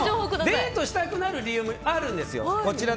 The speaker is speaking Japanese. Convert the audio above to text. デートしたくなる理由いっぱいあるんです、こちら。